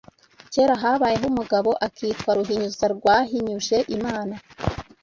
Kera habayeho umugabo akitwa Ruhinyuza Rwahinyuje Imana